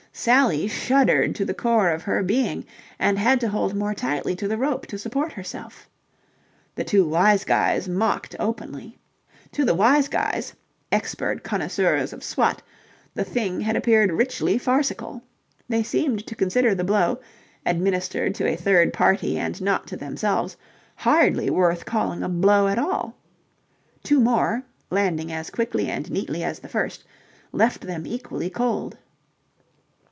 Sally shuddered to the core of her being and had to hold more tightly to the rope to support herself. The two wise guys mocked openly. To the wise guys, expert connoisseurs of swat, the thing had appeared richly farcical. They seemed to consider the blow, administered to a third party and not to themselves, hardly worth calling a blow at all. Two more, landing as quickly and neatly as the first, left them equally cold.